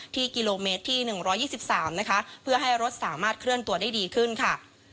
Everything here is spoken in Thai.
ที่กิโลเมตรที่หนึ่งร้อยยิบสิบสามนะคะเพื่อให้รถสามารถเคลื่อนตัวได้ดีขึ้นค่ะ